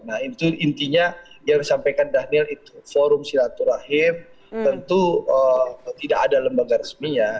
nah itu intinya yang disampaikan dhanil itu forum silaturahim tentu tidak ada lembaga resminya